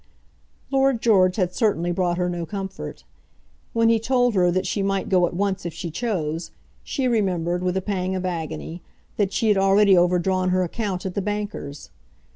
Lord George had certainly brought her no comfort. When he told her that she might go at once if she chose, she remembered, with a pang of agony, that she had already overdrawn her account at the bankers.